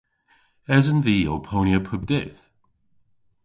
Esen vy ow ponya pub dydh?